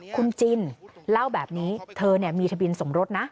คุณจินเล่าแบบนี้เธอมีทะเบียนสมรสนะ